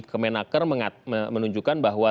kemenaker menunjukkan bahwa